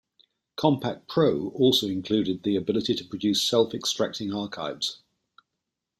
Compact Pro also included the ability to produce self-extracting archives.